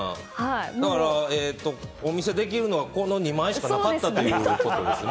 だから、お見せできるのはこの２枚しかなかったということですね。